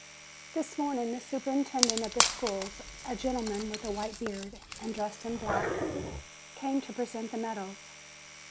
THIS morning the superintendent of the schools, a gentleman with a white beard, and dressed in black, came to present the medals.